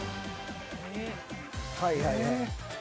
はいはいはい。